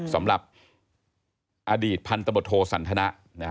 สำหรับอดีตพันธบทโทสันทนะ